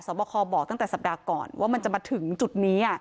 บคบอกตั้งแต่สัปดาห์ก่อนว่ามันจะมาถึงจุดนี้